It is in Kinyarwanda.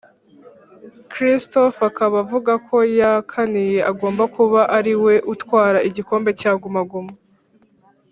Christopher akaba avuga ko yakaniye agomba kuba ariwe utwara igikombe cya guma guma